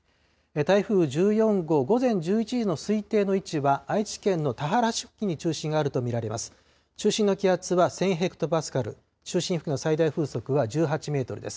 台風１４号、午前１１時の推定の位置は愛知県の田原市付近に中心があると見られます。